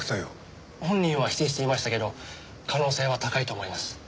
本人は否定していましたけど可能性は高いと思います。